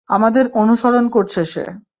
আমাদের অনুসরণ করছে সে।